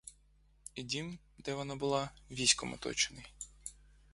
І дім, де була вона, військом оточений.